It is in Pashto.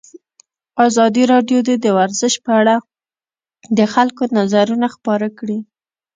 ازادي راډیو د ورزش په اړه د خلکو نظرونه خپاره کړي.